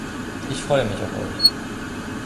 Ich freue mich auf euch